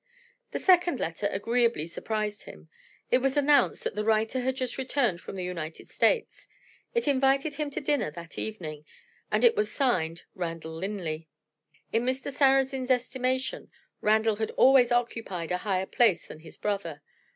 The second letter agreeably surprised him. It was announced that the writer had just returned from the United States; it invited him to dinner that evening; and it was signed "Randal Linley." In Mr. Sarrazin's estimation, Randal had always occupied a higher place than his brother.